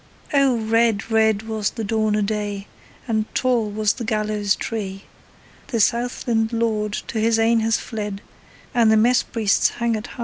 .... Oh! red, red was the dawn o' day, And tall was the gallows tree: The Southland lord to his ain has fled And the mess priest's hangit hie!